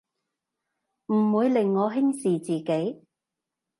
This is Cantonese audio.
唔會令我輕視自己